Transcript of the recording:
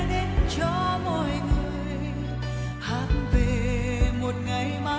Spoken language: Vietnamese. để không bỏ lỡ những video hấp dẫn